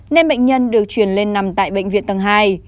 nên bệnh nhân được chuyển lên nằm tại bệnh viện tầng hai